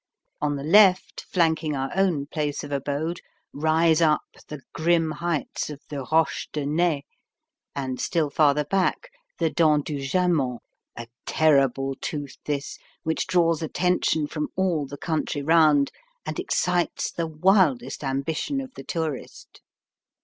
On the left, flanking our own place of abode, rise up the grim heights of the Roches de Naye, and, still farther back, the Dent du Jaman a terrible tooth this, which draws attention from all the country round, and excites the wildest ambition of the tourist.